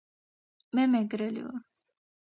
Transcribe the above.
მე მეგრელი ვარ!